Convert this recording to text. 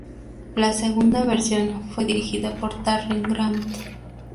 La segunda versión fue dirigida por Darren Grant.